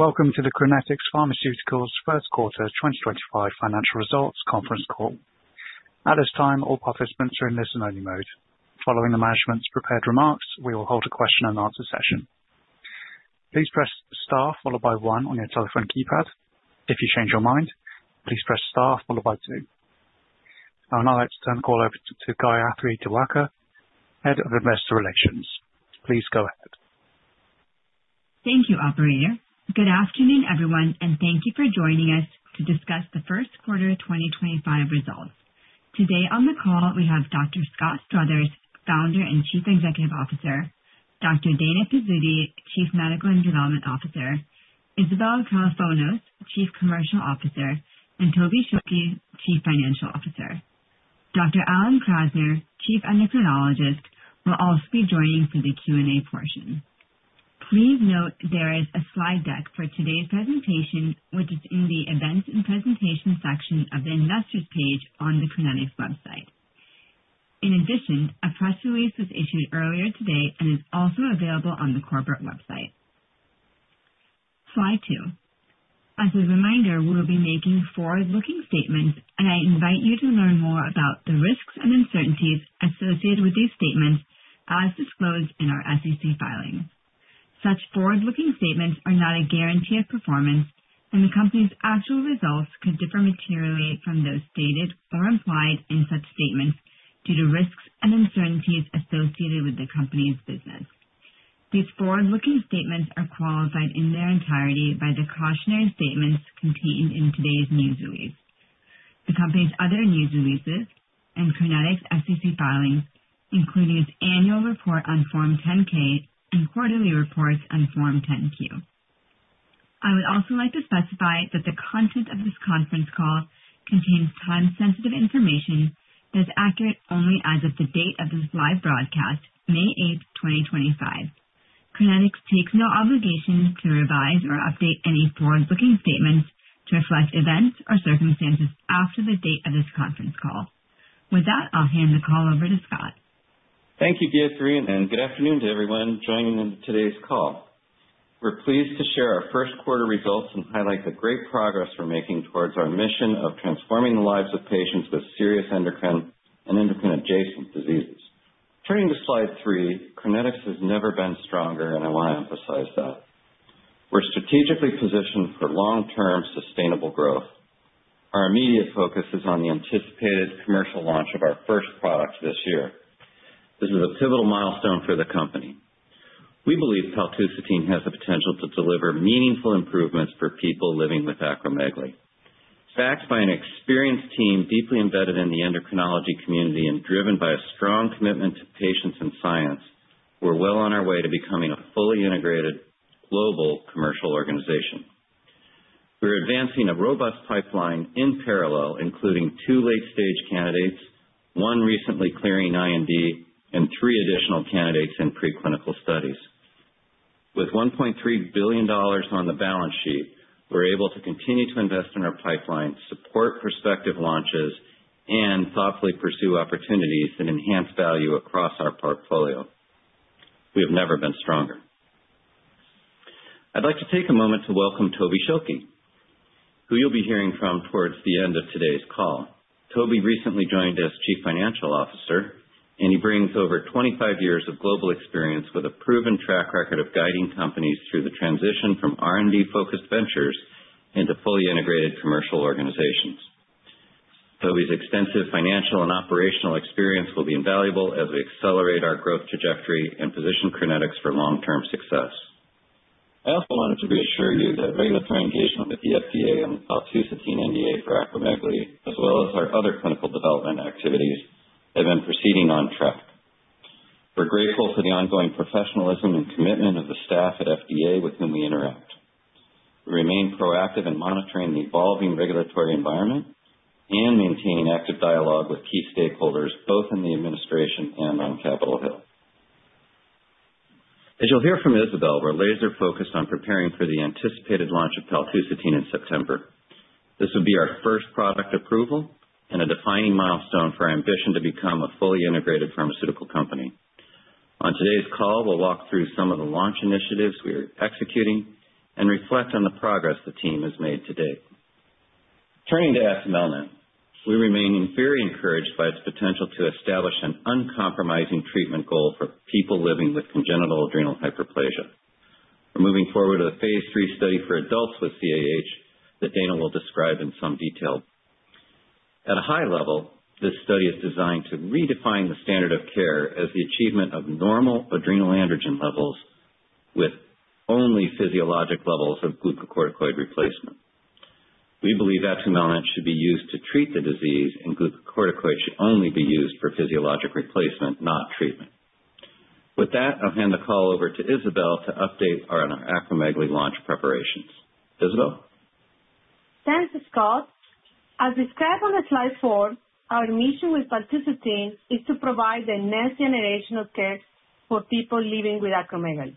Welcome to the Crinetics Pharmaceuticals First Quarter 2025 Financial Results Conference Call. At this time, all participants are in listen-only mode. Following the management's prepared remarks, we will hold a question-and-answer session. Please press star followed by one on your telephone keypad. If you change your mind, please press star followed by two. I would now like to turn the call over to Gayathri Diwakar, Head of Investor Relations. Please go ahead. Thank you, operator. Good afternoon, everyone, and thank you for joining us to discuss the first quarter 2025 results. Today on the call, we have Dr. Scott Struthers, Founder and Chief Executive Officer; Dr. Dana Pizzuti, Chief Medical and Development Officer; Isabel Kalofonos, Chief Commercial Officer; and Toby Schilke, Chief Financial Officer. Dr. Alan Krasner, Chief Endocrinologist, will also be joining for the Q&A portion. Please note there is a slide deck for today's presentation, which is in the Events and Presentations section of the Investors page on the Crinetics website. In addition, a press release was issued earlier today and is also available on the corporate website. slide 2. As a reminder, we will be making forward-looking statements, and I invite you to learn more about the risks and uncertainties associated with these statements as disclosed in our SEC filings. Such forward-looking statements are not a guarantee of performance, and the company's actual results could differ materially from those stated or implied in such statements due to risks and uncertainties associated with the company's business. These forward-looking statements are qualified in their entirety by the cautionary statements contained in today's news release, the company's other news releases, and Crinetics' SEC filings, including its annual report on Form 10-K and quarterly reports on Form 10-Q. I would also like to specify that the content of this conference call contains time-sensitive information that is accurate only as of the date of this live broadcast, May 8, 2025. Crinetics takes no obligation to revise or update any forward-looking statements to reflect events or circumstances after the date of this conference call. With that, I'll hand the call over to Scott. Thank you, Gayathri, and good afternoon to everyone joining in today's call. We're pleased to share our first quarter results and highlight the great progress we're making towards our mission of transforming the lives of patients with serious endocrine and endocrine-adjacent diseases. Turning to slide 3, Crinetics has never been stronger, and I want to emphasize that. We're strategically positioned for long-term sustainable growth. Our immediate focus is on the anticipated commercial launch of our first product this year. This is a pivotal milestone for the company. We believe paltusotine has the potential to deliver meaningful improvements for people living with acromegaly. Backed by an experienced team deeply embedded in the endocrinology community and driven by a strong commitment to patients and science, we're well on our way to becoming a fully integrated global commercial organization. We're advancing a robust pipeline in parallel, including two late-stage candidates, one recently clearing IND, and three additional candidates in preclinical studies. With $1.3 billion on the balance sheet, we're able to continue to invest in our pipeline, support prospective launches, and thoughtfully pursue opportunities that enhance value across our portfolio. We have never been stronger. I'd like to take a moment to welcome Toby Schilke, who you'll be hearing from towards the end of today's call. Toby recently joined as Chief Financial Officer, and he brings over 25 years of global experience with a proven track record of guiding companies through the transition from R&D-focused ventures into fully integrated commercial organizations. Toby's extensive financial and operational experience will be invaluable as we accelerate our growth trajectory and position Crinetics for long-term success. I also wanted to reassure you that regular communication with the FDA on the paltusotine NDA for acromegaly, as well as our other clinical development activities, have been proceeding on track. We're grateful for the ongoing professionalism and commitment of the staff at FDA with whom we interact. We remain proactive in monitoring the evolving regulatory environment and maintaining active dialogue with key stakeholders, both in the administration and on Capitol Hill. As you'll hear from Isabel, we're laser-focused on preparing for the anticipated launch of paltusotine in September. This will be our first product approval and a defining milestone for our ambition to become a fully integrated pharmaceutical company. On today's call, we'll walk through some of the launch initiatives we are executing and reflect on the progress the team has made to date. Turning to atumelnant now, we remain very encouraged by its potential to establish an uncompromising treatment goal for people living with congenital adrenal hyperplasia. We're moving forward with a phase III study for adults with CAH that Dana will describe in some detail. At a high level, this study is designed to redefine the standard of care as the achievement of normal adrenal androgen levels with only physiologic levels of glucocorticoid replacement. We believe atumelnant should be used to treat the disease, and glucocorticoid should only be used for physiologic replacement, not treatment. With that, I'll hand the call over to Isabel to update on our acromegaly launch preparations. Isabel? Thanks, Scott. As described on slide 4, our mission with paltusotine is to provide the next generation of care for people living with acromegaly.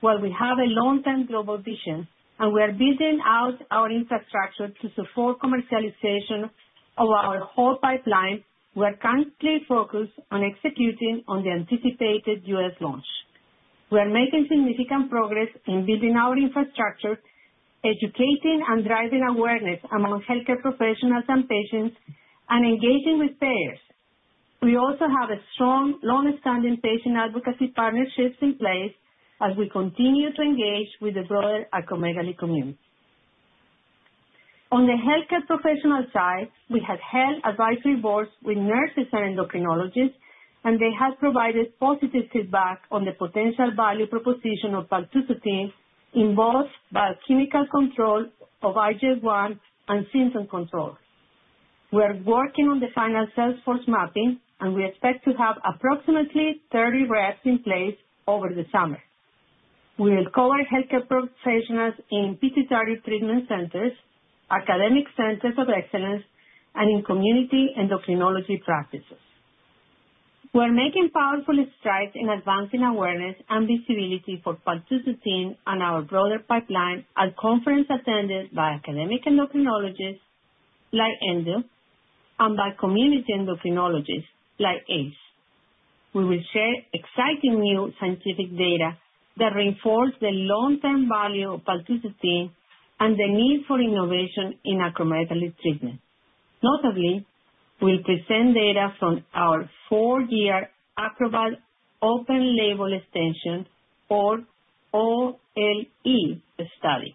While we have a long-term global vision and we are building out our infrastructure to support commercialization of our whole pipeline, we are currently focused on executing on the anticipated U.S. launch. We are making significant progress in building our infrastructure, educating and driving awareness among healthcare professionals and patients, and engaging with payers. We also have strong, long-standing patient advocacy partnerships in place as we continue to engage with the broader acromegaly community. On the healthcare professional side, we have held advisory boards with nurses and endocrinologists, and they have provided positive feedback on the potential value proposition of paltusotine in both biochemical control of IGF-1 and symptom control. We are working on the final Salesforce mapping, and we expect to have approximately 30 reps in place over the summer. We will cover healthcare professionals in PTH antagonist treatment centers, academic centers of excellence, and in community endocrinology practices. We are making powerful strides in advancing awareness and visibility for paltusotine and our broader pipeline at conferences attended by academic endocrinologists like ENDO and by community endocrinologists like ACE. We will share exciting new scientific data that reinforce the long-term value of paltusotine and the need for innovation in acromegaly treatment. Notably, we will present data from our 4-year ACROBAT Open Label Extension, or OLE, study,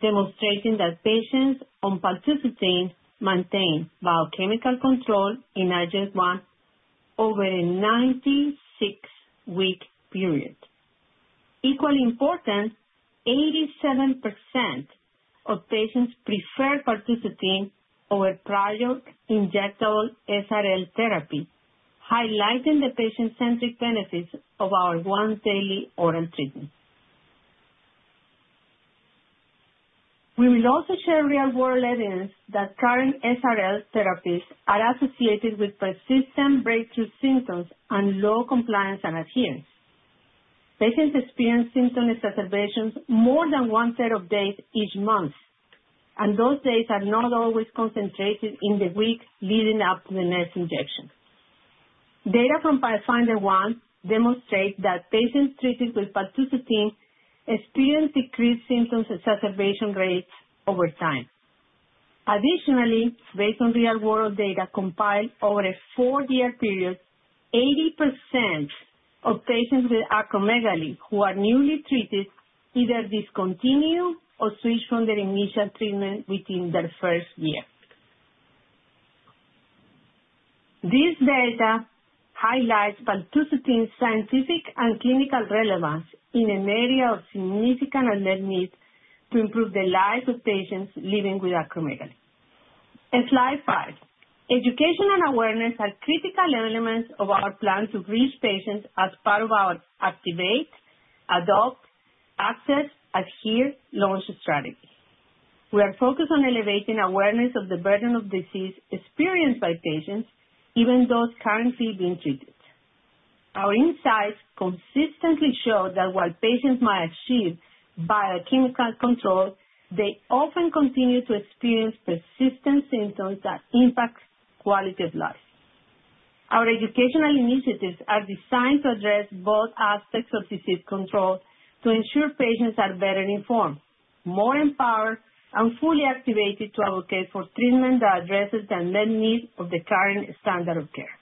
demonstrating that patients on paltusotine maintain biochemical control in IGF-1 over a 96-week period. Equally important, 87% of patients prefer paltusotine over prior injectable SRL therapy, highlighting the patient-centric benefits of our once-daily oral treatment. We will also share real-world evidence that current SRL therapies are associated with persistent breakthrough symptoms and low compliance and adherence. Patients experience symptom exacerbations more than one third of days each month, and those days are not always concentrated in the week leading up to the next injection. Data from Pathfinder One demonstrates that patients treated with paltusotine experience decreased symptom exacerbation rates over time. Additionally, based on real-world data compiled over a 4-year period, 80% of patients with acromegaly who are newly treated either discontinue or switch from their initial treatment within their first year. This data highlights paltusotine's scientific and clinical relevance in an area of significant unmet need to improve the lives of patients living with acromegaly. slide 5. Education and awareness are critical elements of our plan to reach patients as part of our Activate, Adopt, Access, Adhere launch strategy. We are focused on elevating awareness of the burden of disease experienced by patients, even those currently being treated. Our insights consistently show that while patients might achieve biochemical control, they often continue to experience persistent symptoms that impact quality of life. Our educational initiatives are designed to address both aspects of disease control to ensure patients are better informed, more empowered, and fully activated to advocate for treatment that addresses the unmet needs of the current standard of care.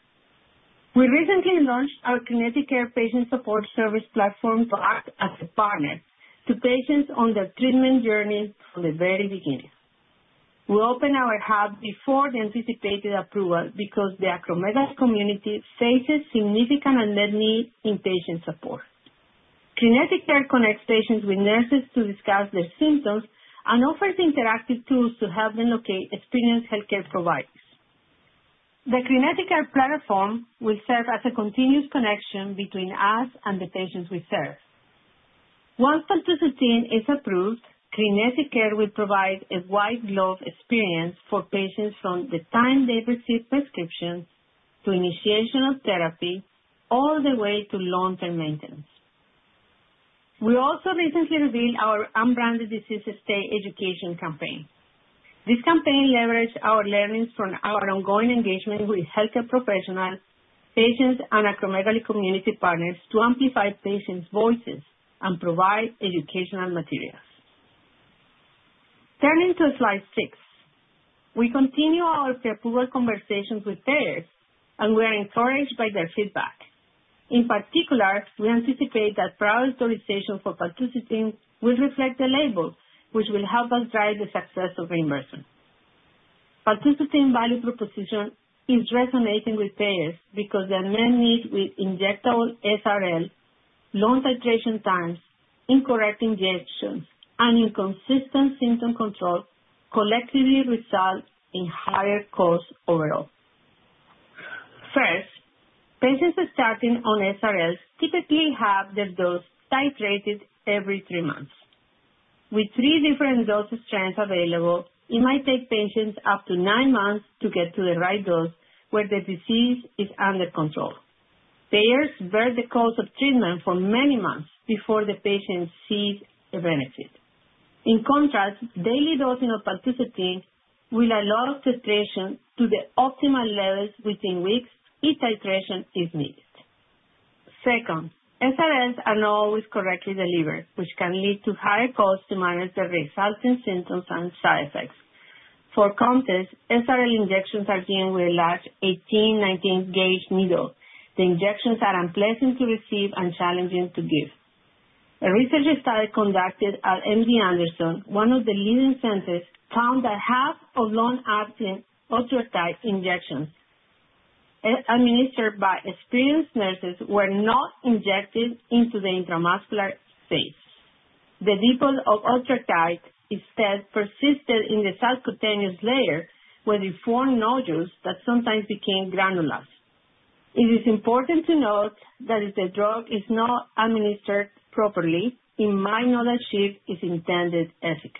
We recently launched our CrinetiCARE Patient Support Service Platform to act as a partner to patients on their treatment journey from the very beginning. We opened our hub before the anticipated approval because the acromegaly community faces significant unmet needs in patient support. CrinetiCARE connects patients with nurses to discuss their symptoms and offers interactive tools to help them locate experienced healthcare providers. The CrinetiCARE Platform will serve as a continuous connection between us and the patients we serve. Once paltusotine is approved, CrinetiCARE will provide a white-glove experience for patients from the time they receive prescriptions to initiation of therapy all the way to long-term maintenance. We also recently revealed our unbranded disease state education campaign. This campaign leveraged our learnings from our ongoing engagement with healthcare professionals, patients, and acromegaly community partners to amplify patients' voices and provide educational materials. Turning to slide 6, we continue our pre-approval conversations with payers, and we are encouraged by their feedback. In particular, we anticipate that prior authorization for paltusotine will reflect the label, which will help us drive the success of reimbursement. Paltusotine value proposition is resonating with payers because the unmet needs with injectable SRL, long titration times, incorrect injections, and inconsistent symptom control collectively result in higher costs overall. First, patients starting on SRLs typically have their dose titrated every 3 months. With three different dose strengths available, it might take patients up to nine months to get to the right dose where the disease is under control. Payers bear the cost of treatment for many months before the patient sees a benefit. In contrast, daily dosing of paltusotine will allow titration to the optimal levels within weeks if titration is needed. Second, SRLs are not always correctly delivered, which can lead to higher costs to manage the resulting symptoms and side effects. For context, SRL injections are given with a large 18, 19-gauge needle. The injections are unpleasant to receive and challenging to give. A research study conducted at MD Anderson, one of the leading centers, found that half of long-acting, ultra-tight injections administered by experienced nurses were not injected into the intramuscular space. The depot of ultratight, instead, persisted in the subcutaneous layer where they form nodules that sometimes became granules. It is important to note that if the drug is not administered properly, it might not achieve its intended efficacy.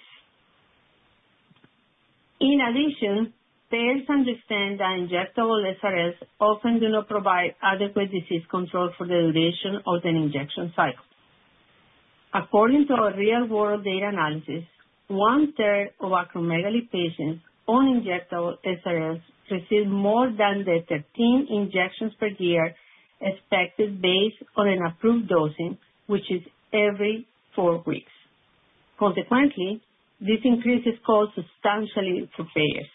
In addition, payers understand that injectable SRLs often do not provide adequate disease control for the duration of the injection cycle. According to our real-world data analysis, 1/3 of acromegaly patients on injectable SRLs receive more than 13 injections per year expected based on an approved dosing, which is every four weeks. Consequently, this increase is caused substantially for payers.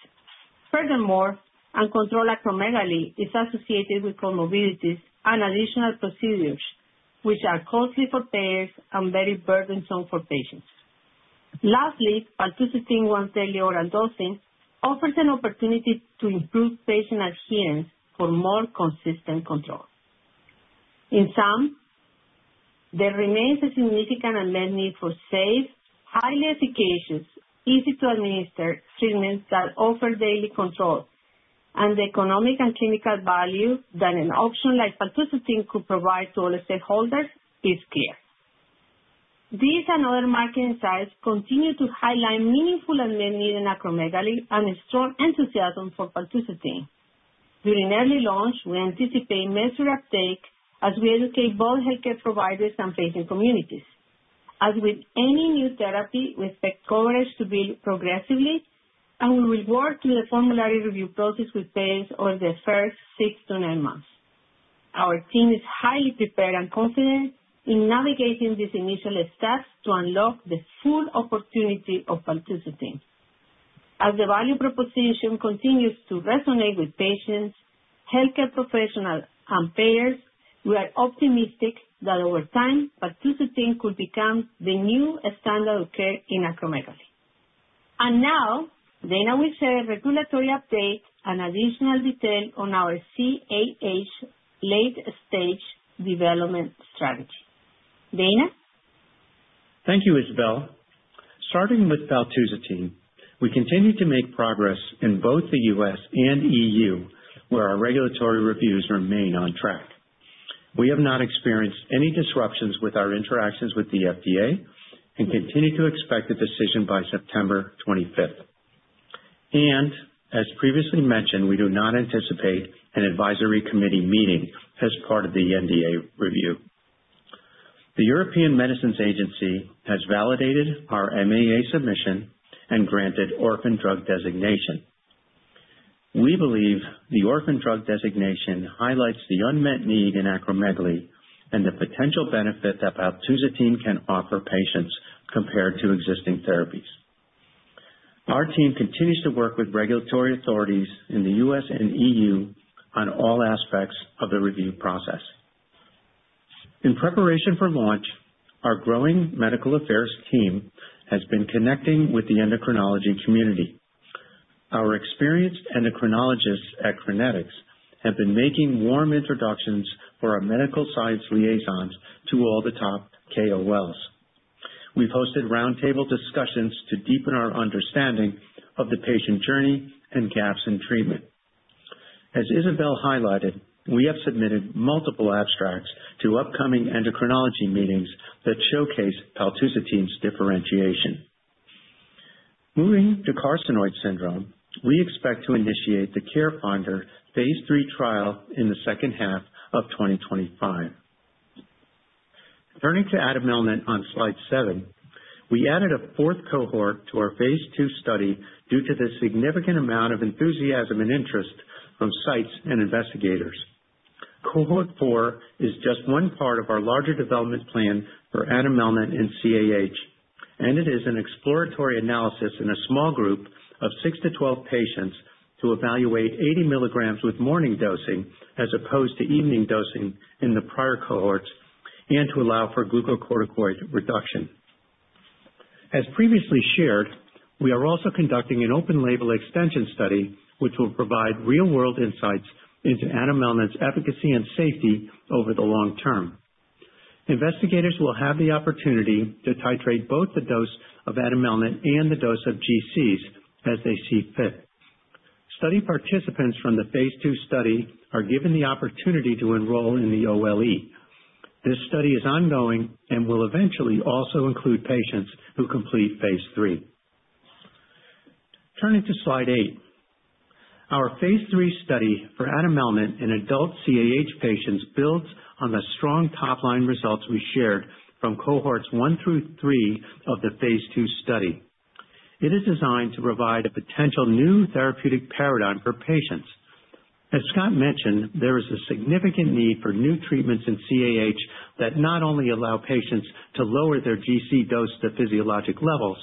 Furthermore, uncontrolled acromegaly is associated with comorbidities and additional procedures, which are costly for payers and very burdensome for patients. Lastly, paltusotine once-daily oral dosing offers an opportunity to improve patient adherence for more consistent control. In sum, there remains a significant unmet need for safe, highly efficacious, easy-to-administer treatments that offer daily control, and the economic and clinical value that an option like paltusotine could provide to all stakeholders is clear. These and other market insights continue to highlight meaningful unmet needs in acromegaly and a strong enthusiasm for paltusotine. During early launch, we anticipate measured uptake as we educate both healthcare providers and patient communities. As with any new therapy, we expect coverage to build progressively, and we will work through the formulary review process with payers over the first 6-9 months. Our team is highly prepared and confident in navigating these initial steps to unlock the full opportunity of paltusotine. As the value proposition continues to resonate with patients, healthcare professionals, and payers, we are optimistic that over time, paltusotine could become the new standard of care in acromegaly. Dana will share regulatory updates and additional details on our CAH late-stage development strategy. Dana? Thank you, Isabel. Starting with paltusotine, we continue to make progress in both the U.S. and EU, where our regulatory reviews remain on track. We have not experienced any disruptions with our interactions with the FDA and continue to expect a decision by September 25th. As previously mentioned, we do not anticipate an advisory committee meeting as part of the NDA review. The European Medicines Agency has validated our MAA submission and granted orphan drug designation. We believe the orphan drug designation highlights the unmet need in acromegaly and the potential benefit that paltusotine can offer patients compared to existing therapies. Our team continues to work with regulatory authorities in the U.S. and EU on all aspects of the review process. In preparation for launch, our growing medical affairs team has been connecting with the endocrinology community. Our experienced endocrinologists at Crinetics have been making warm introductions for our medical science liaisons to all the top KOLs. We've hosted roundtable discussions to deepen our understanding of the patient journey and gaps in treatment. As Isabel highlighted, we have submitted multiple abstracts to upcoming endocrinology meetings that showcase paltusotine's differentiation. Moving to carcinoid syndrome, we expect to initiate the CAREFNDR phase III trial in the second half of 2025. Turning to atumelnant on slide 7, we added a fourth cohort to our phase II study due to the significant amount of enthusiasm and interest from sites and investigators. Cohort 4 is just one part of our larger development plan for atumelnant and CAH, and it is an exploratory analysis in a small group of 6-12 patients to evaluate 80 mg with morning dosing as opposed to evening dosing in the prior cohorts and to allow for glucocorticoid reduction. As previously shared, we are also conducting an open label extension study, which will provide real-world insights into atumelnant's efficacy and safety over the long term. Investigators will have the opportunity to titrate both the dose of atumelnant and the dose of GCs as they see fit. Study participants from the phase II study are given the opportunity to enroll in the OLE. This study is ongoing and will eventually also include patients who complete phase III. Turning to slide 8, our phase III study for atumelnant in adult CAH patients builds on the strong top-line results we shared from cohorts 1-3 of the phase II study. It is designed to provide a potential new therapeutic paradigm for patients. As Scott mentioned, there is a significant need for new treatments in CAH that not only allow patients to lower their GC dose to physiologic levels,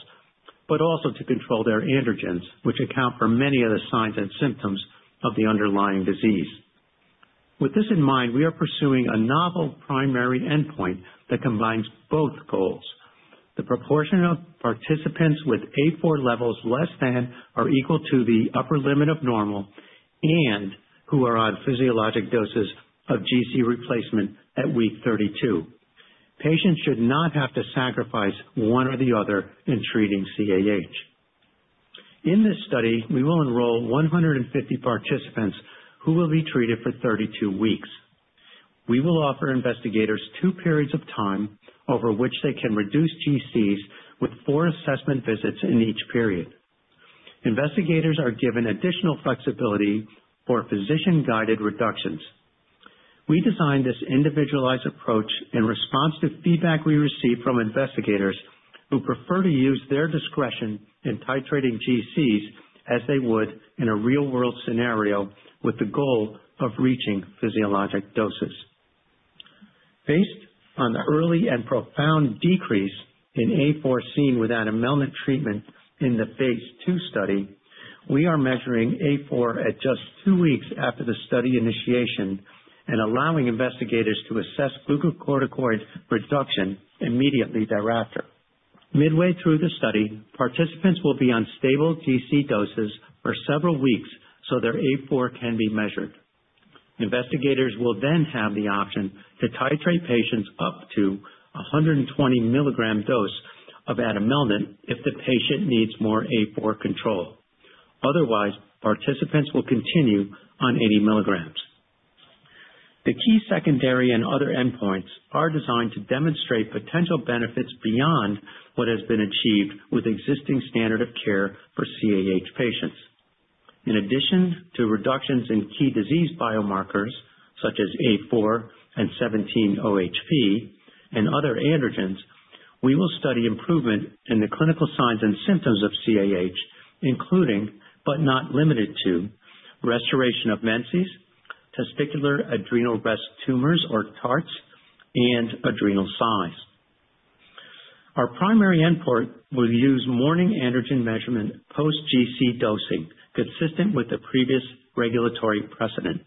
but also to control their androgens, which account for many of the signs and symptoms of the underlying disease. With this in mind, we are pursuing a novel primary endpoint that combines both goals: the proportion of participants with A4 levels less than or equal to the upper limit of normal and who are on physiologic doses of GC replacement at week 32. Patients should not have to sacrifice one or the other in treating CAH. In this study, we will enroll 150 participants who will be treated for 32 weeks. We will offer investigators two periods of time over which they can reduce GCs with four assessment visits in each period. Investigators are given additional flexibility for physician-guided reductions. We designed this individualized approach in response to feedback we received from investigators who prefer to use their discretion in titrating GCs as they would in a real-world scenario with the goal of reaching physiologic doses. Based on the early and profound decrease in A4 seen with atumelnant treatment in the phase II study, we are measuring A4 at just 2 weeks after the study initiation and allowing investigators to assess glucocorticoid reduction immediately thereafter. Midway through the study, participants will be on stable GC doses for several weeks so their A4 can be measured. Investigators will then have the option to titrate patients up to a 120-mg dose of atumelnant if the patient needs more A4 control. Otherwise, participants will continue on 80 mg. The key secondary and other endpoints are designed to demonstrate potential benefits beyond what has been achieved with existing standard of care for CAH patients. In addition to reductions in key disease biomarkers such as A4 and 17-OHP and other androgens, we will study improvement in the clinical signs and symptoms of CAH, including, but not limited to, restoration of menses, testicular adrenal rest tumors or TARTs, and adrenal size. Our primary endpoint will use morning androgen measurement post-GC dosing consistent with the previous regulatory precedent.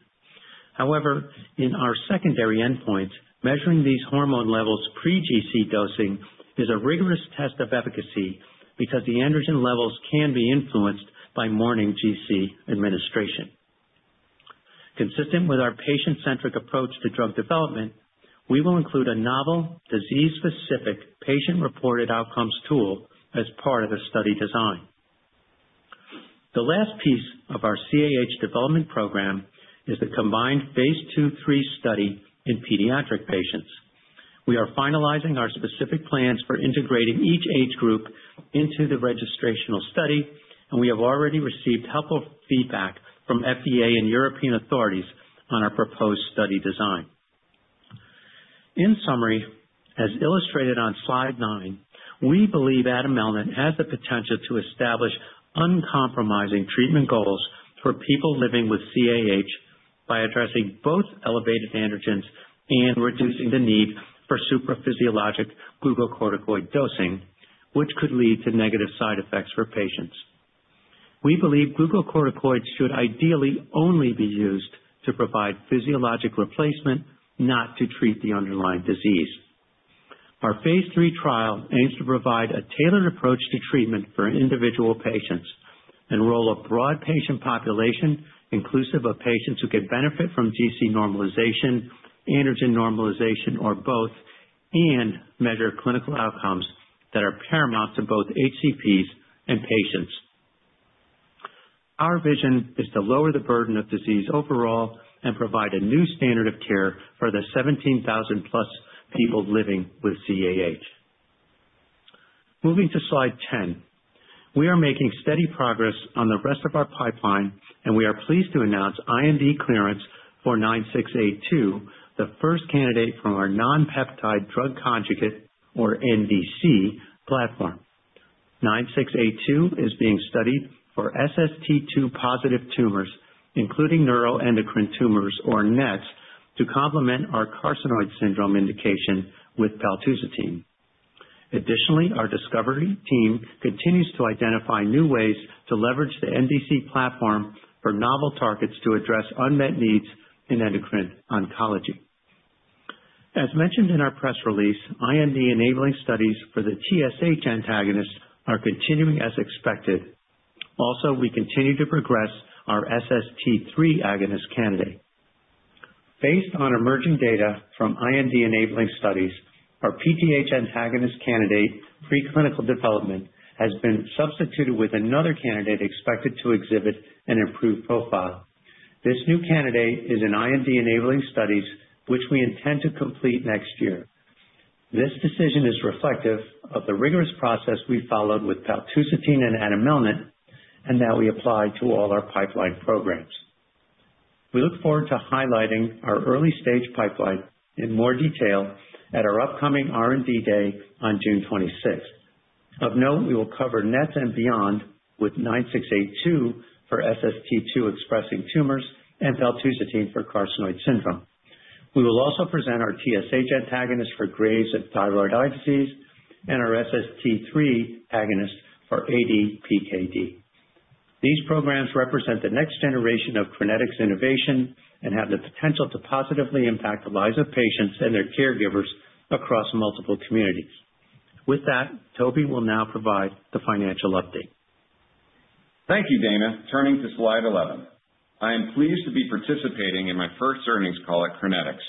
However, in our secondary endpoints, measuring these hormone levels pre-GC dosing is a rigorous test of efficacy because the androgen levels can be influenced by morning GC administration. Consistent with our patient-centric approach to drug development, we will include a novel disease-specific patient-reported outcomes tool as part of the study design. The last piece of our CAH development program is the combined phase II/III study in pediatric patients. We are finalizing our specific plans for integrating each age group into the registrational study, and we have already received helpful feedback from FDA and European authorities on our proposed study design. In summary, as illustrated on slide 9, we believe atumelnant has the potential to establish uncompromising treatment goals for people living with CAH by addressing both elevated androgens and reducing the need for supraphysiologic glucocorticoid dosing, which could lead to negative side effects for patients. We believe glucocorticoids should ideally only be used to provide physiologic replacement, not to treat the underlying disease. Our phase III trial aims to provide a tailored approach to treatment for individual patients, enroll a broad patient population inclusive of patients who can benefit from GC normalization, androgen normalization, or both, and measure clinical outcomes that are paramount to both HCPs and patients. Our vision is to lower the burden of disease overall and provide a new standard of care for the 17,000+ people living with CAH. Moving to slide 10, we are making steady progress on the rest of our pipeline, and we are pleased to announce IND clearance for CRN09682, the first candidate from our non-peptide drug conjugate, or NDC, platform. CRN09682 is being studied for SST2-positive tumors, including neuroendocrine tumors, or NETs, to complement our carcinoid syndrome indication with paltusotine. Additionally, our discovery team continues to identify new ways to leverage the NDC platform for novel targets to address unmet needs in endocrine oncology. As mentioned in our press release, IND-enabling studies for the TSH antagonist are continuing as expected. Also, we continue to progress our SST3 agonist candidate. Based on emerging data from IND-enabling studies, our PTH antagonist candidate preclinical development has been substituted with another candidate expected to exhibit an improved profile. This new candidate is in IND-enabling studies, which we intend to complete next year. This decision is reflective of the rigorous process we followed with paltusotine and atumelnant, and that we apply to all our pipeline programs. We look forward to highlighting our early-stage pipeline in more detail at our upcoming R&D day on June 26th. Of note, we will cover NETs and beyond with CRN09682 for SST2-expressing tumors and paltusotine for carcinoid syndrome. We will also present our TSH antagonist for Graves' and thyroid eye disease and our SST3 agonist for ADPKD. These programs represent the next generation of Crinetics innovation and have the potential to positively impact the lives of patients and their caregivers across multiple communities. With that, Toby will now provide the financial update. Thank you, Dana. Turning to slide 11, I am pleased to be participating in my first earnings call at Crinetics.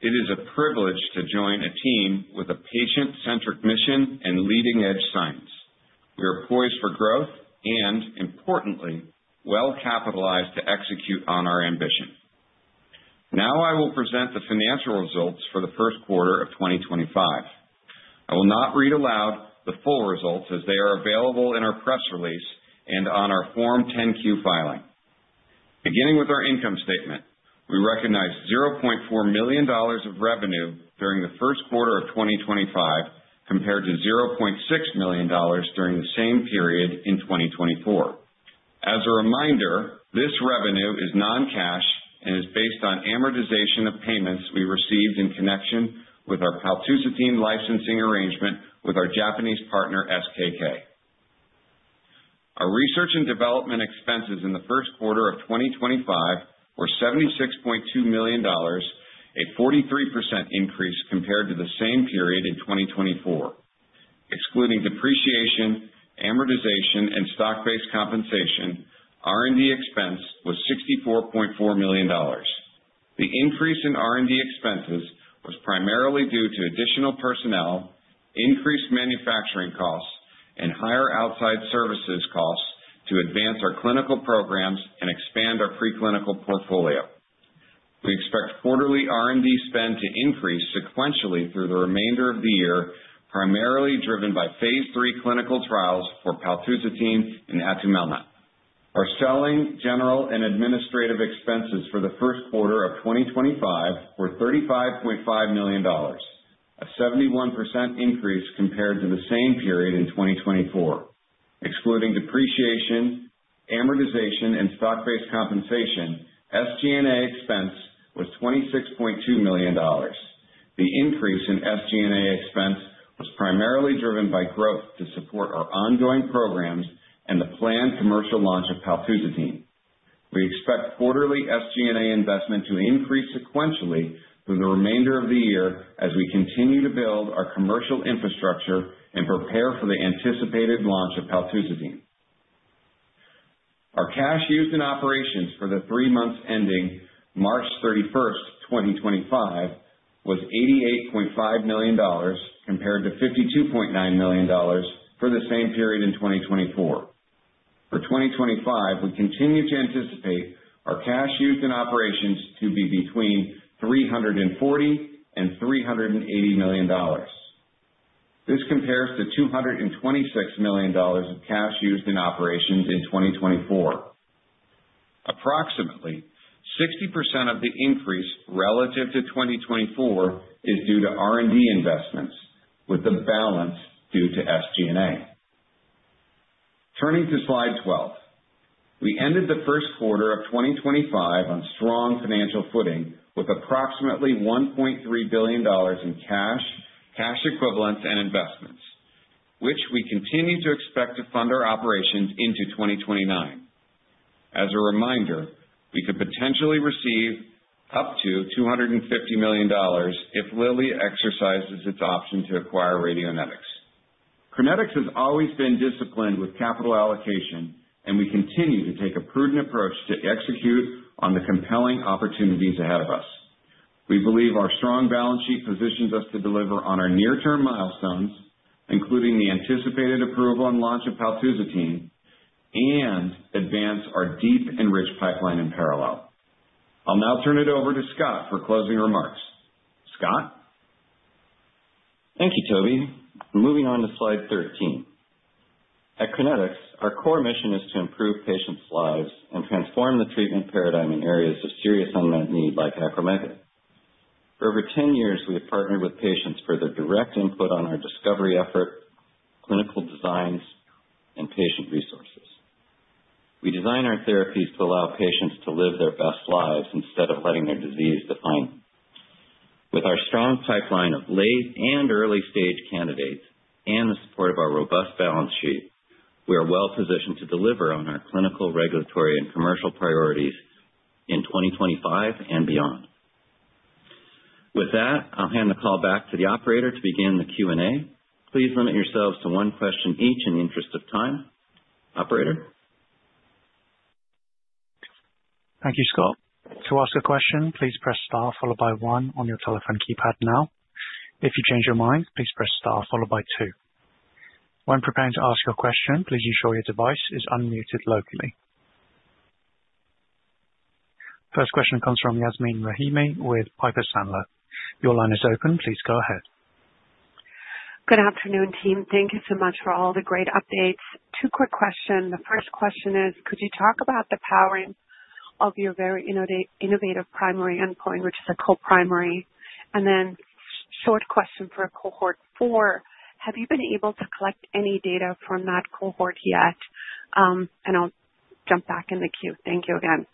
It is a privilege to join a team with a patient-centric mission and leading-edge science. We are poised for growth and, importantly, well capitalized to execute on our ambition. Now, I will present the financial results for the first quarter of 2025. I will not read aloud the full results as they are available in our press release and on our Form 10Q filing. Beginning with our income statement, we recognize $0.4 million of revenue during the first quarter of 2025 compared to $0.6 million during the same period in 2024. As a reminder, this revenue is non-cash and is based on amortization of payments we received in connection with our paltusotine licensing arrangement with our Japanese partner, SKK. Our research and development expenses in the first quarter of 2025 were $76.2 million, a 43% increase compared to the same period in 2024. Excluding depreciation, amortization, and stock-based compensation, R&D expense was $64.4 million. The increase in R&D expenses was primarily due to additional personnel, increased manufacturing costs, and higher outside services costs to advance our clinical programs and expand our preclinical portfolio. We expect quarterly R&D spend to increase sequentially through the remainder of the year, primarily driven by phase III clinical trials for paltusotine and atumelnant. Our selling, general, and administrative expenses for the first quarter of 2025 were $35.5 million, a 71% increase compared to the same period in 2024. Excluding depreciation, amortization, and stock-based compensation, SG&A expense was $26.2 million. The increase in SG&A expense was primarily driven by growth to support our ongoing programs and the planned commercial launch of paltusotine. We expect quarterly SG&A investment to increase sequentially through the remainder of the year as we continue to build our commercial infrastructure and prepare for the anticipated launch of paltusotine. Our cash used in operations for the three months ending March 31st, 2025, was $88.5 million compared to $52.9 million for the same period in 2024. For 2025, we continue to anticipate our cash used in operations to be between $340 million-$380 million. This compares to $226 million of cash used in operations in 2024. Approximately 60% of the increase relative to 2024 is due to R&D investments, with the balance due to SG&A. Turning to slide 12, we ended the first quarter of 2025 on strong financial footing with approximately $1.3 billion in cash, cash equivalents, and investments, which we continue to expect to fund our operations into 2029. As a reminder, we could potentially receive up to $250 million if Lilly exercises its option to acquire Radionetics. Crinetics has always been disciplined with capital allocation, and we continue to take a prudent approach to execute on the compelling opportunities ahead of us. We believe our strong balance sheet positions us to deliver on our near-term milestones, including the anticipated approval and launch of paltusotine, and advance our deep and rich pipeline in parallel. I'll now turn it over to Scott for closing remarks. Scott? Thank you, Toby. Moving on to slide 13. At Crinetics, our core mission is to improve patients' lives and transform the treatment paradigm in areas of serious unmet need like acromegaly. For over 10 years, we have partnered with patients for their direct input on our discovery effort, clinical designs, and patient resources. We design our therapies to allow patients to live their best lives instead of letting their disease define them. With our strong pipeline of late and early-stage candidates and the support of our robust balance sheet, we are well-positioned to deliver on our clinical, regulatory, and commercial priorities in 2025 and beyond. With that, I'll hand the call back to the operator to begin the Q&A. Please limit yourselves to one question each in the interest of time. Operator? Thank you, Scott. To ask a question, please press star followed by one on your telephone keypad now. If you change your mind, please press star followed by two. When preparing to ask your question, please ensure your device is unmuted locally. First question comes from Yasmeen Rahimi with Piper Sandler. Your line is open. Please go ahead. Good afternoon, team. Thank you so much for all the great updates. Two quick questions. The first question is, could you talk about the powering of your very innovative primary endpoint, which is a coprimary? A short question for cohort 4, have you been able to collect any data from that cohort yet? I'll jump back in the queue. Thank you again.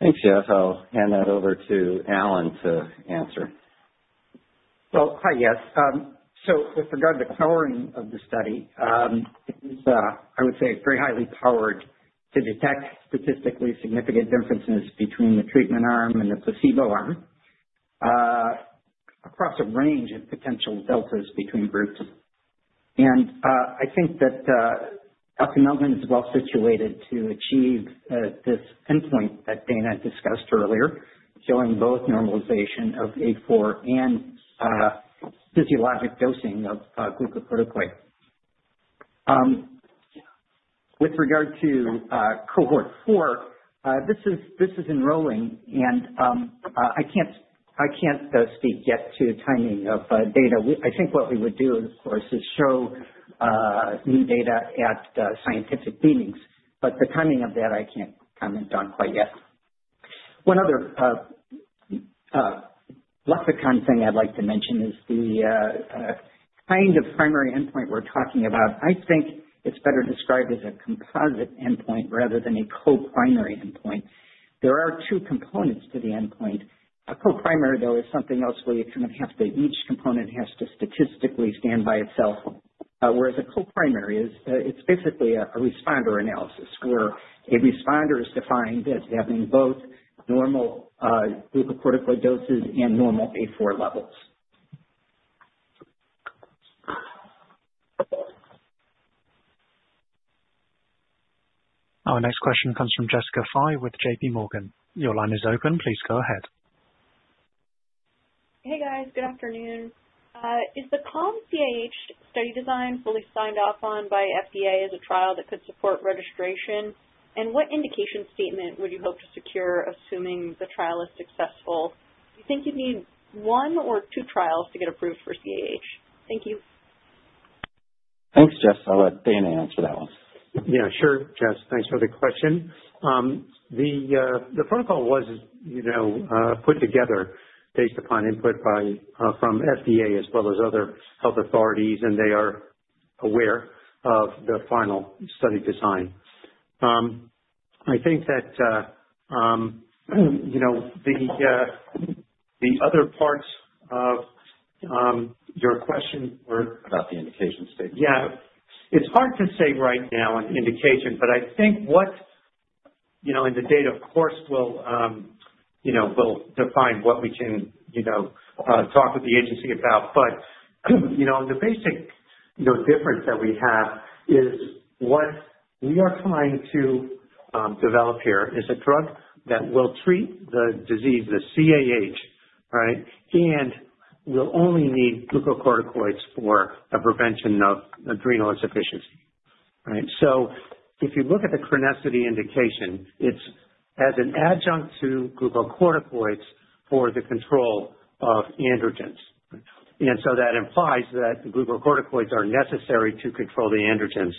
Thanks, Yas. I'll hand that over to Alan to answer. Hi, Yas. With regard to the powering of the study, it is, I would say, very highly powered to detect statistically significant differences between the treatment arm and the placebo arm across a range of potential deltas between groups. I think that atumelnant is well-situated to achieve this endpoint that Dana discussed earlier, showing both normalization of A4 and physiologic dosing of glucocorticoid. With regard to cohort 4, this is enrolling, and I can't speak yet to the timing of data. I think what we would do, of course, is show new data at scientific meetings, but the timing of that I can't comment on quite yet. One other lexicon thing I'd like to mention is the kind of primary endpoint we're talking about. I think it's better described as a composite endpoint rather than a coprimary endpoint. There are two components to the endpoint. A coprimary, though, is something else where you kind of have to—each component has to statistically stand by itself. Whereas a coprimary is, it's basically a responder analysis where a responder is defined as having both normal glucocorticoid doses and normal A4 levels. Our next question comes from Jessica Fye with JPMorgan. Your line is open. Please go ahead. Hey, guys. Good afternoon. Is the Calm-CAH study design fully signed off on by FDA as a trial that could support registration? What indication statement would you hope to secure, assuming the trial is successful? Do you think you'd need one or two trials to get approved for CAH? Thank you. Thanks, Jess. I'll let Dana answer that one. Yeah, sure, Jess. Thanks for the question. The protocol was put together based upon input from FDA as well as other health authorities, and they are aware of the final study design. I think that the other parts of your question were. About the indication statement. Yeah. It's hard to say right now an indication, but I think what—and the data, of course, will define what we can talk with the agency about. The basic difference that we have is what we are trying to develop here is a drug that will treat the disease, the CAH, right, and will only need glucocorticoids for a prevention of adrenal insufficiency. Right? If you look at the CRENESSITY indication, it's as an adjunct to glucocorticoids for the control of androgens. That implies that the glucocorticoids are necessary to control the androgens.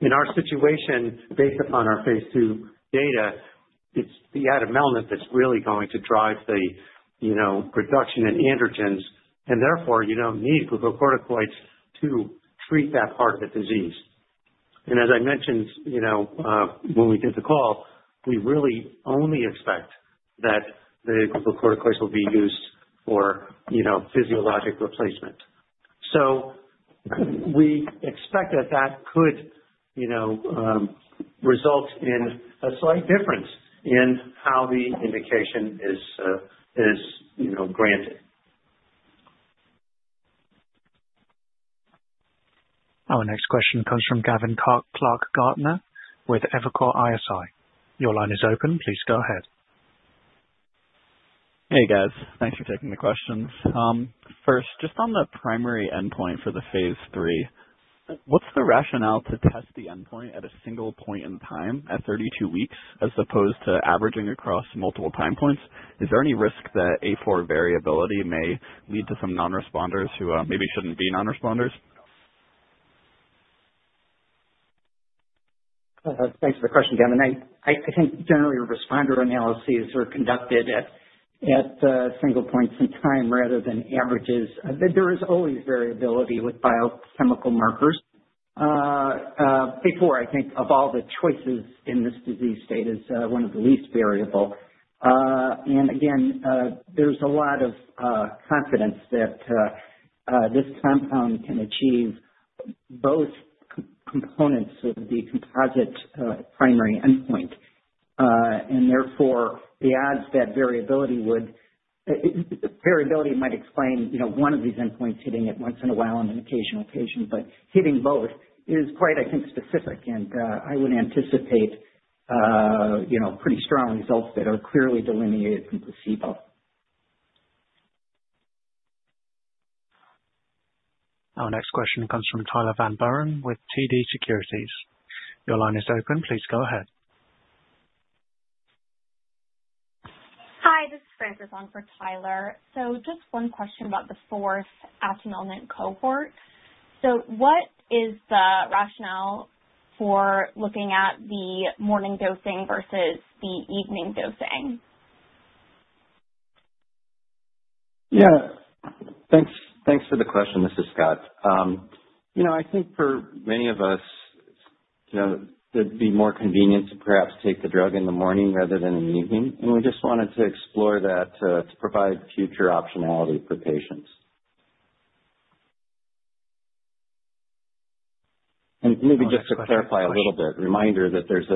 In our situation, based upon our phase II data, it's the atumelnant that's really going to drive the production of androgens, and therefore you don't need glucocorticoids to treat that part of the disease. As I mentioned when we did the call, we really only expect that the glucocorticoids will be used for physiologic replacement. We expect that that could result in a slight difference in how the indication is granted. Our next question comes from Gavin Clark-Gartner with Evercore ISI. Your line is open. Please go ahead. Hey, guys. Thanks for taking the questions. First, just on the primary endpoint for the phase III, what's the rationale to test the endpoint at a single point in time at 32 weeks as opposed to averaging across multiple time points? Is there any risk that A4 variability may lead to some non-responders who maybe shouldn't be non-responders? Thanks for the question, Gavin. I think generally responder analyses are conducted at single points in time rather than averages. There is always variability with biochemical markers. Before, I think of all the choices in this disease state, it is one of the least variable. Again, there's a lot of confidence that this compound can achieve both components of the composite primary endpoint. Therefore, the odds that variability might explain one of these endpoints hitting it once in a while on an occasional occasion, but hitting both is quite, I think, specific. I would anticipate pretty strong results that are clearly delineated from placebo. Our next question comes from Tyler Van Buren with TD Securities. Your line is open. Please go ahead. Hi, this is Francis, on for Tyler. Just one question about the fourth atumelnant cohort. What is the rationale for looking at the morning dosing versus the evening dosing? Yeah. Thanks for the question, this is Scott. I think for many of us, it'd be more convenient to perhaps take the drug in the morning rather than in the evening. We just wanted to explore that to provide future optionality for patients. Maybe just to clarify a little bit, reminder that there's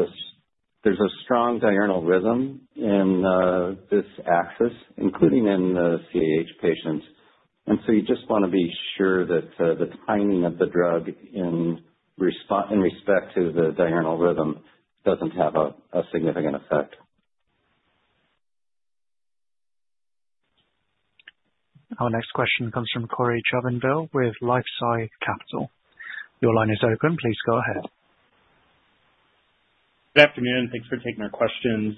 a strong diurnal rhythm in this axis, including in the CAH patients. You just want to be sure that the timing of the drug in respect to the diurnal rhythm doesn't have a significant effect. Our next question comes from Cory Jubinville with LifeSci Capital. Your line is open. Please go ahead. Good afternoon. Thanks for taking our questions.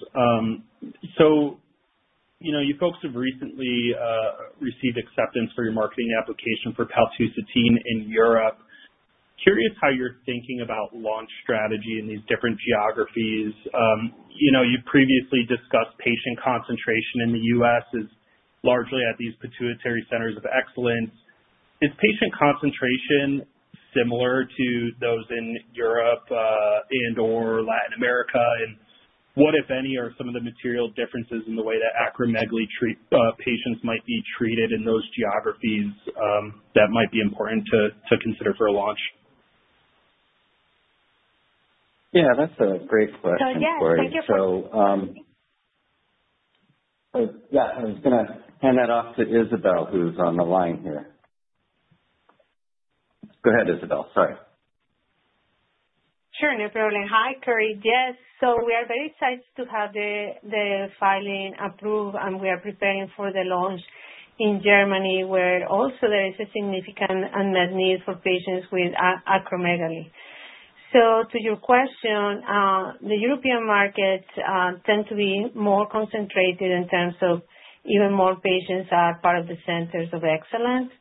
You folks have recently received acceptance for your marketing application for paltusotine in Europe. Curious how you're thinking about launch strategy in these different geographies. You previously discussed patient concentration in the U.S. is largely at these pituitary centers of excellence. Is patient concentration similar to those in Europe and/or Latin America? What, if any, are some of the material differences in the way that acromegaly patients might be treated in those geographies that might be important to consider for a launch? Yeah, that's a great question. Oh, yes. Thank you. Yeah. I was going to hand that off to Isabel, who's on the line here. Go ahead, Isabel. Sorry. Sure. No problem. Hi, Cory. Yes. We are very excited to have the filing approved, and we are preparing for the launch in Germany, where also there is a significant unmet need for patients with acromegaly. To your question, the European markets tend to be more concentrated in terms of even more patients are part of the centers of excellence.